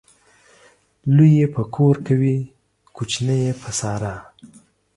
لوى يې پر کور کوي ، کوچنى يې پر سارا.